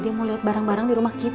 dia mau liat barang barang dirumah kita